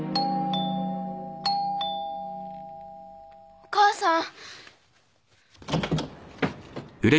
・お母さん！？